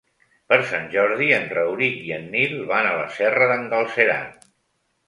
Per Sant Jordi en Rauric i en Nil van a la Serra d'en Galceran.